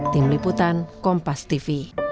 tim liputan kompas tv